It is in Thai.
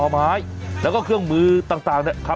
วันนี้ก็เดือดเหมือนกันนะ